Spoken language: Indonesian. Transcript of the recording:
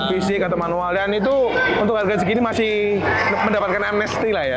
fisik atau manual dan itu untuk harga segini masih mendapatkan amnesty lah ya